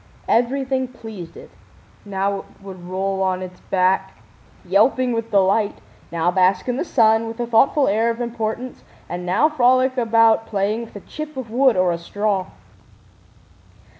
Everything pleased it. Now it would roll on its back, yelping with delight, now bask in the sun with a thoughtful air of importance, and now frolic about playing with a chip of wood or a straw.